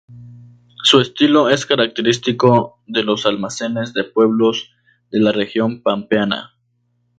Su estilo es característico de los almacenes de pueblos de la región pampeana.